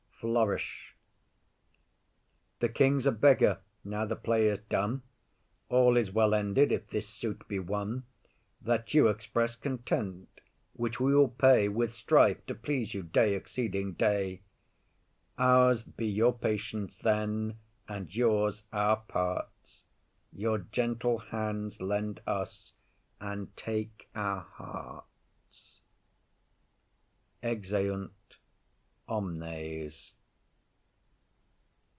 [Flourish.] [EPILOGUE] _The king's a beggar, now the play is done; All is well ended if this suit be won, That you express content; which we will pay With strife to please you, day exceeding day. Ours be your patience then, and yours our parts; Your gentle hands lend us, and take our hearts._ [_Exeunt omnes.